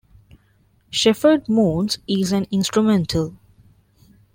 "Shepherd Moons" is an instrumental.